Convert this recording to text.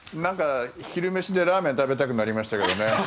昼飯でラーメン食べたくなりましたけどね。